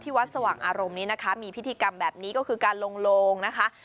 วัดสว่างอารมณ์นี้นะคะมีพิธีกรรมแบบนี้ก็คือการลงโลงนะคะ